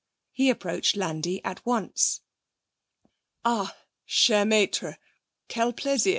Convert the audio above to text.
He approached Landi at once. 'Ah, cher maître, quel plaisir!'